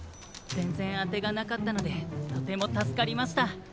ぜんぜんあてがなかったのでとてもたすかりました。